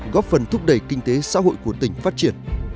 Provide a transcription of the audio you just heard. góp phần thúc đẩy kinh tế xã hội của tỉnh phát triển